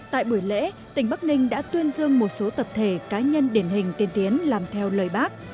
tại buổi lễ tỉnh bắc ninh đã tuyên dương một số tập thể cá nhân điển hình tiên tiến làm theo lời bác